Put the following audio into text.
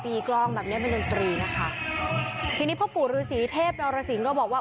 กล้องแบบเนี้ยเป็นดนตรีนะคะทีนี้พ่อปู่ฤษีเทพนรสินก็บอกว่า